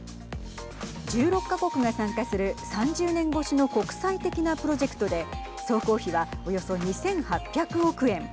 １６か国が参加する３０年越しの国際的なプロジェクトで総工費はおよそ２８００億円。